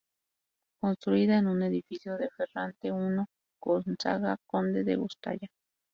Construido en un edificio de Ferrante I Gonzaga, conde de Guastalla.